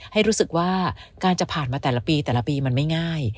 ให้รู้สึกว่าการจะผ่านมาแต่ละปีแต่ละปีมันไม่ง่าย